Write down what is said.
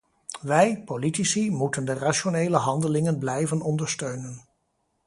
Wij, politici, moeten de rationele handelingen blijven ondersteunen.